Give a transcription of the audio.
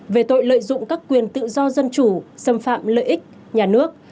về tội lợi dụng các quyền tự do dân chủ xâm phạm lợi ích nhà nước